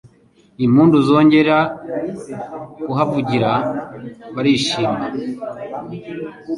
Impundu zongera kuhavugira barishima